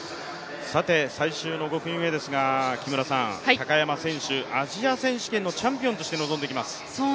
さて、最終の５組目ですが高山選手アジア選手権のチャンピオンとして臨んできます。